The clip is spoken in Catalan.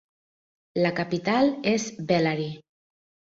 La capital és Bellary.